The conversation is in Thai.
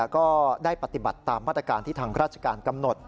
ก็ได้ปฏิบัติตามมาตรการที่ทางราชการกำหนด